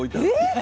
え⁉